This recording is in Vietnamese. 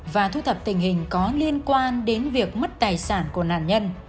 và thu thập tình hình có liên quan đến việc mất tài sản của nạn nhân